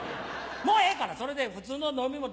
もうええからそれで普通の飲み物